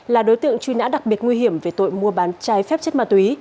là đối tượng truy nã đặc biệt nguy hiểm về tội mua bán trái phép chất ma túy